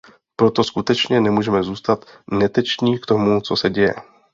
Proto skutečně nemůžeme zůstat neteční k tomu, co se děje.